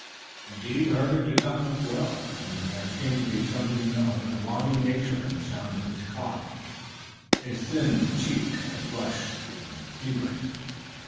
Indeed Herbert did not look well, and there seemed to be something of an alarming nature in the sound of his cough. His thin cheeks were flushed and feverish.